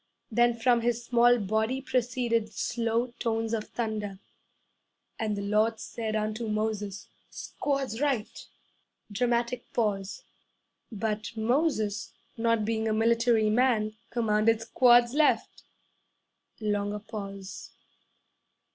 Then from his small body proceeded slow tones of thunder, 'And the Lord said unto Moses, "Squads right!" (Dramatic pause.) 'But Moses not being a military man commanded, "Squads left!" (Longer pause.)